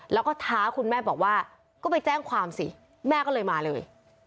แล้วก็ท้าคุณแม่บอกว่าก็ไปแจ้งความสิแม่ก็เลยมาเลย